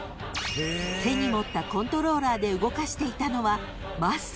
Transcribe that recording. ［手に持ったコントローラーで動かしていたのはマスク］